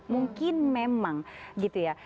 mungkin memang gitu ya